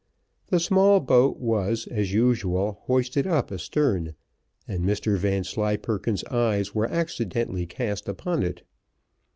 The small boat was, as usual, hoisted up astern, and Mr Vanslyperken's eyes were accidentally cast upon it.